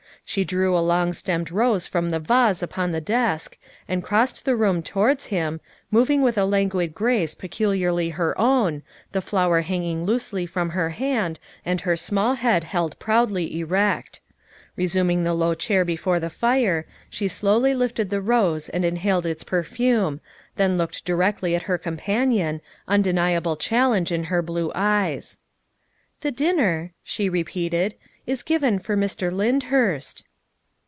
She drew a long stemmed rose from the vase upon the desk and crossed the room towards him, moving with a languid grace peculiarly her own, the flower hanging loosely from her hand and her small head held proudly erect. Resuming the low chair before the fire, she slowly lifted the rose and inhaled its per fume, then looked directly at her companion, unde niable challenge in her blue eyes. THE SECRETARY OF STATE 115 " The dinner," she repeated, " is given for Mr. Lyndhurst.